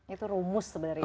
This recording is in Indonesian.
itu rumus sebenarnya